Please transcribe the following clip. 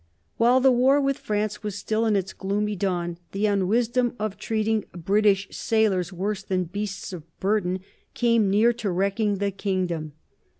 While the war with France was still in its gloomy dawn the unwisdom of treating British sailors worse than beasts of burden came near to wrecking the kingdom.